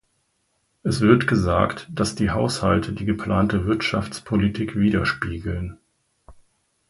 Es wird gesagt, dass die Haushalte die geplante Wirtschaftspolitik widerspiegeln.